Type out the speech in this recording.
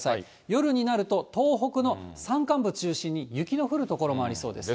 夜になると東北の山間部中心に雪の降る所もありそうです。